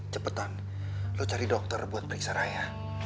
cepetan lo cari dokter buat periksa raya